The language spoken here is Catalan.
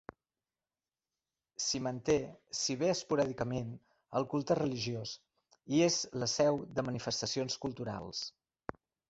S'hi manté, si bé esporàdicament, el culte religiós, i és la seu de manifestacions culturals.